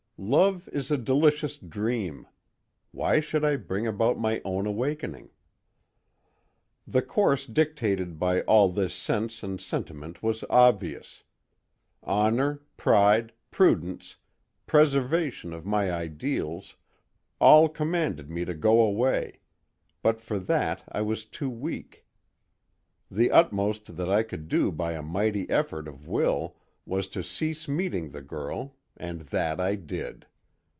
Love is a delicious dream; why should I bring about my own awakening? "The course dictated by all this sense and sentiment was obvious. Honor, pride, prudence, preservation of my ideals—all commanded me to go away, but for that I was too weak. The utmost that I could do by a mighty effort of will was to cease meeting the girl, and that I did.